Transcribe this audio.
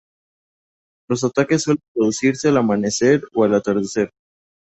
Los ataques suelen producirse al amanecer o al atardecer.